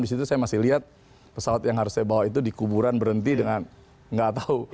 di situ saya masih lihat pesawat yang harus saya bawa itu dikuburan berhenti dengan nggak tahu